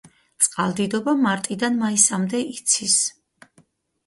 წყალდიდობა მარტიდან მაისამდე იცის.